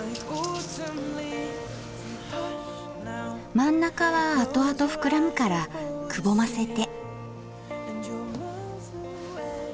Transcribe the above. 真ん中はあとあと膨らむからくぼませて。